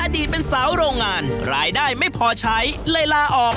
อดีตเป็นสาวโรงงานรายได้ไม่พอใช้เลยลาออก